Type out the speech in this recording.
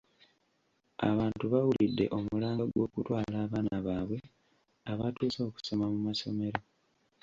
Abantu bawulidde omulanga gw'okutwala abaana baabwe abatuuse okusoma mu masomero.